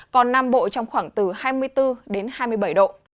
còn nam bộ trong khoảng từ hai mươi bốn đến hai mươi bảy độ